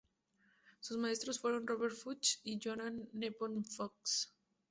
Sus maestros fueron Robert Fuchs y Johann Nepomuk Fuchs.